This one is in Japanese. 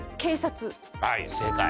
はい正解。